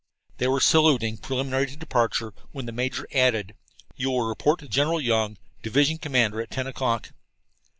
They were saluting, preliminary to departure, when the major added: "You will report to General Young, division commander, at ten o'clock."